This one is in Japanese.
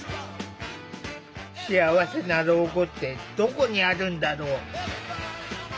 幸せな老後ってどこにあるんだろう？